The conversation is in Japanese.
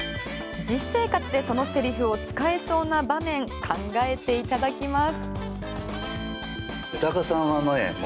実生活でそのセリフを使えそうな場面考えていただきます。